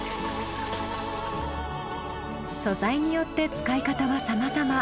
素材によって使い方はさまざま。